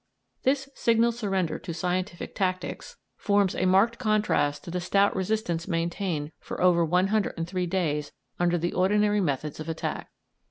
This signal surrender to scientific tactics forms a marked contrast to the stout resistance maintained for over 103 days under the ordinary methods of attack.